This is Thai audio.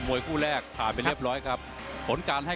วยคู่แรกผ่านไปเรียบร้อยครับผลการให้